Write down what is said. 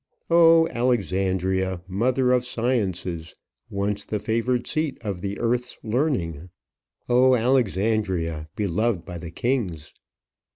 Oh, Alexandria! mother of sciences! once the favoured seat of the earth's learning! Oh, Alexandria! beloved by the kings!